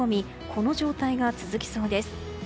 この状態が続きそうです。